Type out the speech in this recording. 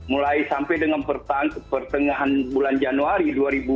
mulai sampai dengan pertengahan bulan januari dua ribu dua puluh